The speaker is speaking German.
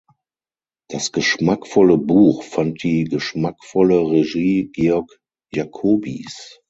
Das geschmackvolle Buch fand die geschmackvolle Regie Georg Jacobys.